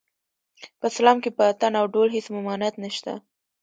په اسلام کې په اټن او ډول هېڅ ممانعت نشته